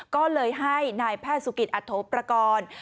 ก็เลยให้นายแพทย์สุกิตอัตโธประกอบ